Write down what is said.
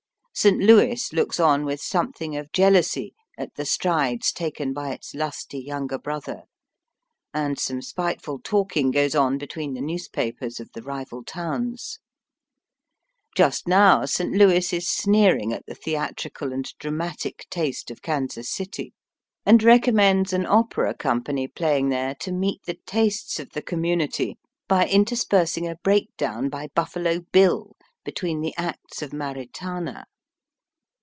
St. Louis looks on with something of jealousy at the strides taken by its lusty younger brother, and some spiteful talking goes on between the newspapers of the rival towns. Just now St. Louis is sneer ing at the theatrical and dramatic taste of Kansas City, and recommends an opera com Digitized by VjOOQIC SOME WESTEBN TOWNS. 41 pany playing there to meet the tastes of the community by interspersing a breakdown by Buffalo BiU between the acts of " Maritana.'